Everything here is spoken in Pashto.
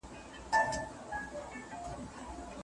څوک په سره اهاړ کي تندي وه وژلي